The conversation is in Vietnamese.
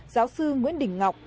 giáo sư nguyễn đình ngọc